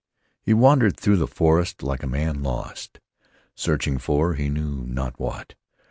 He wandered through the forest like a man lost, searching for, he knew not what.